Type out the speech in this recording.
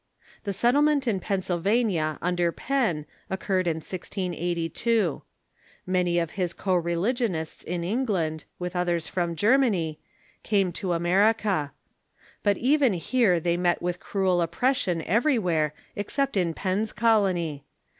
The settlement in Penn sylvania under Penn occurred in 1682. Many of his co religionists in England, with others from Germany, came to America. But even here they met with cruel oppression every where, except in Penn's colony.